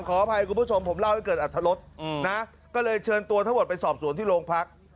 ขออภัยคุณผู้ชมผมเล่าให้เกิดอัธรสนะก็เลยเชิญตัวทั้งหมดไปสอบสวนที่โรงพัก